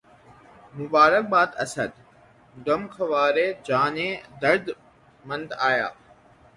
مبارک باد اسد، غمخوارِ جانِ درد مند آیا